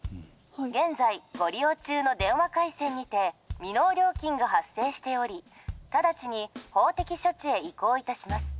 現在、ご利用中の電話回線にて未納料金が発生しており直ちに法的処置へ移行いたします。